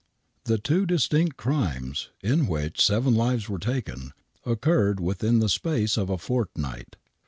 The two distinct crimes, in which seven lives were taken, occurred within the space of a fortnight.